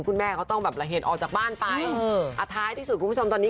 คุณแม่เขาต้องระเหตุออกจากบ้านไป